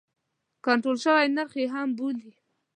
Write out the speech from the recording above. کنټرول شوی نرخ یې هم بولي.